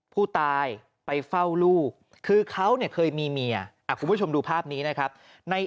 ผู้ตายไปเฝ้าลูกคือเขาเนี่ยเคยมีเมียคุณผู้ชมดูภาพนี้นะครับ